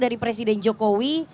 dari presiden jokowi